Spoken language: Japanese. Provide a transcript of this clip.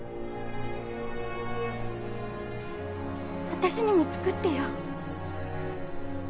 私にも作ってよ。